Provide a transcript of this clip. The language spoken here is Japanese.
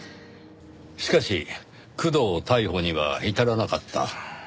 しかし工藤逮捕には至らなかった。